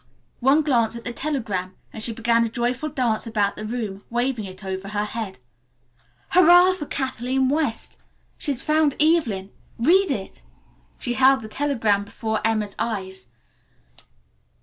One glance at the telegram and she began a joyful dance about the room, waving it over her head. "Hurrah for Kathleen West! She found Evelyn! Read it." She held the telegram before Emma's eyes.